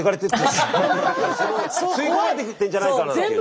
吸い込まれてってんじゃないかっていうね。